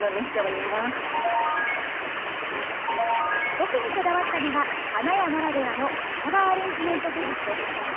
特にこだわったのが花屋ならではのフラワーアレンジメント技術です。